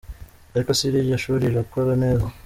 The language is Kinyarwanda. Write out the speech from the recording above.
Ariko se iryo shuri rirakora neza ?.